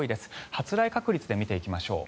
発雷確率で見ていきましょう。